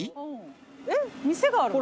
えっ店があるの？